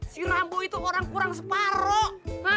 si rambut itu orang kurang separoh